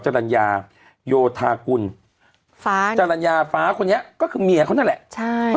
จรรยาโยธากุลฟ้าจรรยาฟ้าคนนี้ก็คือเมียเขานั่นแหละใช่